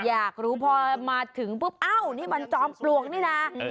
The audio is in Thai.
อยากรู้พอมาถึงปุ๊บอ้าวนี่มันจอมปลวกนี่นะ